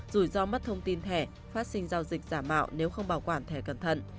rủi ro mất thông tin thẻ phát sinh giao dịch giả mạo nếu không bảo quản thẻ cẩn thận